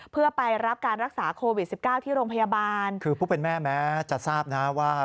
เพื่อไปรับการรักษาโควิดสิบเก้าที่โรงพยาบาลคือผู้เป็นแม่แม้จะทราบนะว่า